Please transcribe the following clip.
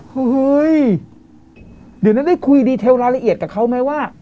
เฮ้ยเดี๋ยวนั้นได้คุยดีเทลรายละเอียดกับเขาไหมว่า